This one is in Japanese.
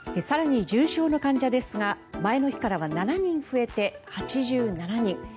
更に、重症の患者ですが前の日からは７人増えて８７人。